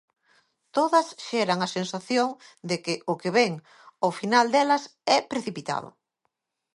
Todas xeran a sensación de que o que vén ao final delas é precipitado.